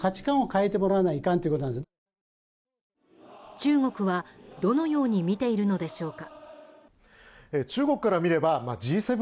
中国は、どのように見ているのでしょうか。